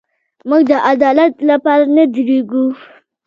موږ د عدالت لپاره نه درېږو.